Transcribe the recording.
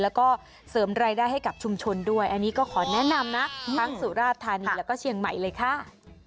แล้วก็เสริมรายได้ให้กับชุมชนด้วยอันนี้ก็ขอแนะนำนะทั้งสุราธานีแล้วก็เชียงใหม่เลยค่ะ